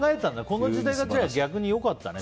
この時代が逆に良かったね。